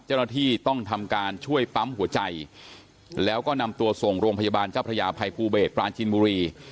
เจ้าหน้าที่ต้องทำการช่วยปั๊มหัวใจแล้วก็นำตัวส่งโรงพยาบาลเจ้าพระยาภัยภูเบศปราจินบุรี